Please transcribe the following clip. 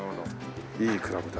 いいクラブだ。